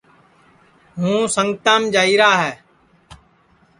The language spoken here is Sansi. ہُوں سنگتام جائیرا ہے